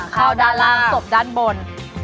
เข้าด้านล่างศพด้านบน